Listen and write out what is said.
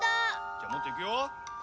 じゃあもっといくよ。